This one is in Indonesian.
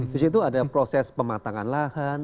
di situ ada proses pematangan lahan